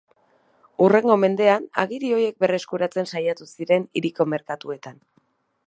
Hurrengo mendean agiri horiek berreskuratzen saiatu ziren hiriko merkatuetan.